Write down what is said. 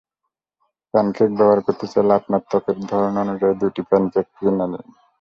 Pancake ব্যবহার করতে চাইলে আপনার ত্বকের ধরন অনুযায়ী দুটি প্যানকেক কিনে নিন।